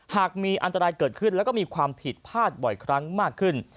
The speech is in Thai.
หากมีอันตรายเกิดขึ้นแล้วก็มีความผิดพลาดบ่อยครั้งมากขึ้น